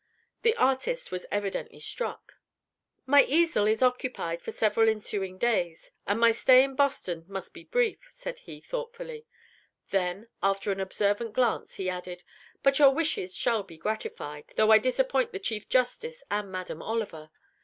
The artist was evidently struck. "My easel is occupied for several ensuing days, and my stay in Boston must be brief," said he, thoughtfully; then, after an observant glance, he added, "but your wishes shall be gratified, though I disappoint the Chief Justice and Madam Oliver.